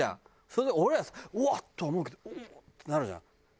そういう時俺らさうわっ！とは思うけどってなるじゃん？